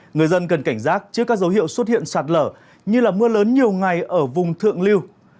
người dân cần cảnh giác trước các dấu hiệu xuất hiện sạt lở như là mưa lớn nhiều ngày ở vùng thượng lưu